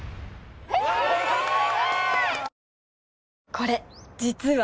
これ実は。